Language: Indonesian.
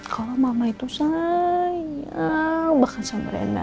kalau mama itu sayang bahkan sama rena